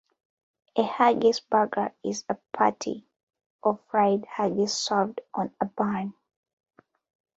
A "haggis burger" is a patty of fried haggis served on a bun.